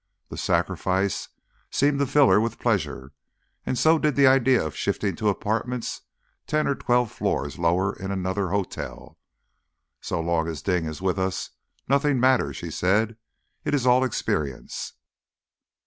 The sacrifice seemed to fill her with pleasure, and so did the idea of shifting to apartments ten or twelve floors lower in another hotel. "So long as Dings is with us, nothing matters," she said. "It's all experience."